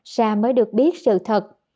sa mới được biết sự thật